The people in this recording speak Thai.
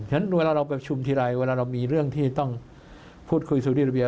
ฉะนั้นเวลาเราประชุมทีไรเวลาเรามีเรื่องที่ต้องพูดคุยซูดีระเบีย